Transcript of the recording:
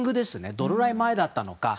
どれぐらい前だったか。